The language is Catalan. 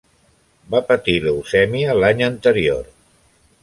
Va patir leucèmia l'any anterior.